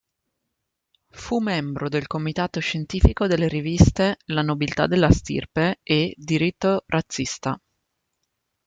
Fu membro del comitato scientifico delle riviste "La nobiltà della stirpe" e "Diritto Razzista"..